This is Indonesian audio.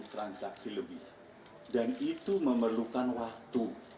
transaksi lebih dan itu memerlukan waktu